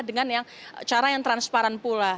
dengan cara yang transparan pula